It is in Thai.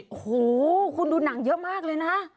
โอ้โหคุณดูหนังเยอะมากเลยนะ